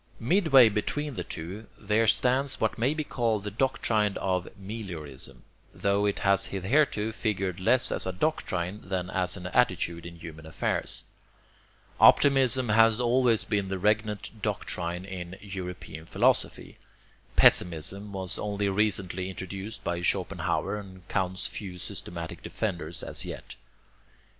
Midway between the two there stands what may be called the doctrine of meliorism, tho it has hitherto figured less as a doctrine than as an attitude in human affairs. Optimism has always been the regnant DOCTRINE in european philosophy. Pessimism was only recently introduced by Schopenhauer and counts few systematic defenders as yet.